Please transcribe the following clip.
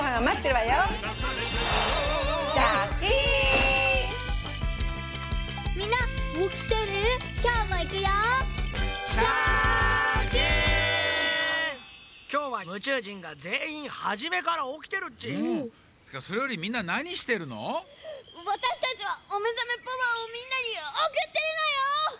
わたしたちはおめざめパワーをみんなにおくってるのよ！